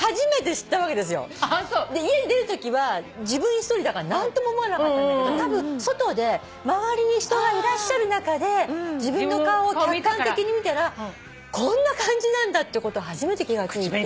家出るときは自分一人だから何とも思わなかったんだけどたぶん外で周りに人がいらっしゃる中で自分の顔を客観的に見たらこんな感じなんだってことを初めて気が付いて。